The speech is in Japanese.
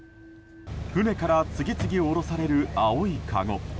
船から次々降ろされる青いかご。